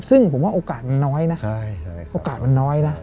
ซึ่งผมว่าโอกาสมันน้อยนะ